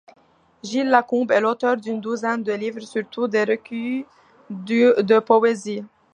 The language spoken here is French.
Gilles Lacombe est l’auteur d’une douzaine de livres, surtout des recueils de poésie.